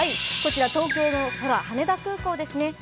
こちら東京の空、羽田空港ですね。